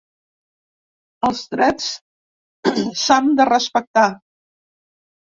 Els drets s’ham de respectar.